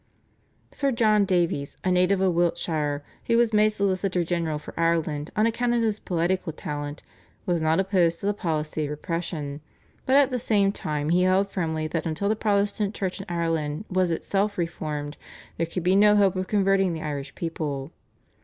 " Sir John Davies, a native of Wiltshire, who was made Solicitor General for Ireland on account of his poetical talent, was not opposed to the policy of repression, but at the same time he held firmly that until the Protestant Church in Ireland was itself reformed there could be no hope of converting the Irish people.